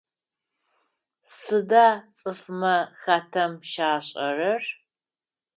Сыда цӏыфмэ хатэм щашӏэрэр?